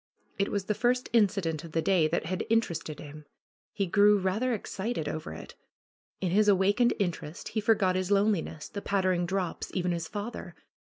It was the first incident of the day that had interested him. He grew rather excited over it. In his awakened interest he forgot his loneli ness, the pattering drops, even his father.